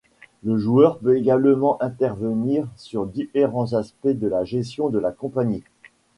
Le joueur peut également, intervenir sur différents aspects de la gestion de la compagnie.